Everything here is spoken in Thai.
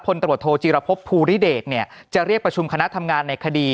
ตรวจโทจีรพบภูริเดชจะเรียกประชุมคณะทำงานในคดี